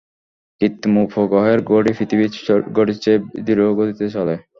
কৃত্রিম উপগ্রহের ঘড়ি পৃথিবীর ঘড়ির চেয়ে ধীরগতিতে চলে।